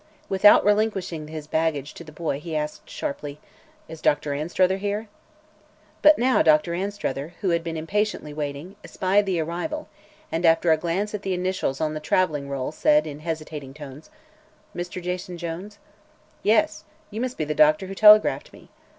Without relinquishing his baggage to the boy he asked sharply: "Is Dr. Anstruther here?" But now Dr. Anstruther, who had been impatiently waiting, espied the arrival and after a glance at the initials on the traveling roll said in hesitating tones: "Mr. Jason Jones?" "Yes. You must be the doctor who telegraphed me."